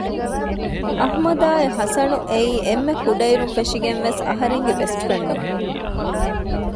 އަޙުމަދުއާއި ޙަސަނު އެއީ އެންމެ ކުޑައިރުން ފެށިގެން ވެސް އަހަރެންގެ ބެސްޓް ފުރެންޑުން